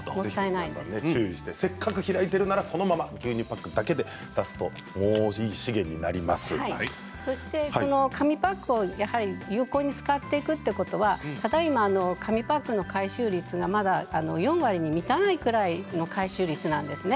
せっかく開いているならそのまま牛乳パックだけで紙パックを有効に使っていくということはただ今、紙パックの回収率がまだ４割に満たないくらいの回収率なんですね。